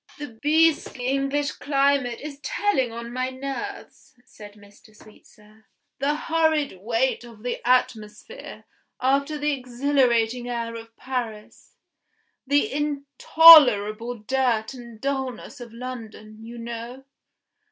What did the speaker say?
"The beastly English climate is telling on my nerves," said Mr. Sweetsir "the horrid weight of the atmosphere, after the exhilarating air of Paris; the intolerable dirt and dullness of London, you know.